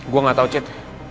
gue gak tau cid